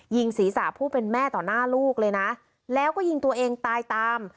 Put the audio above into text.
ยิงศีรษะผู้เป็นแม่ต่อหน้าลูกเลยนะแล้วก็ยิงตัวเองตายตาม